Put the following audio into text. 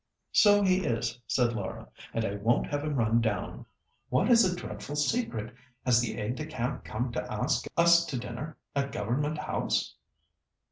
"So he is," said Laura, "and I won't have him run down. What is the dreadful secret? Has the aide de camp come to ask us to dinner at Government House?"